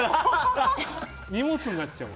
荷物になっちゃうもん。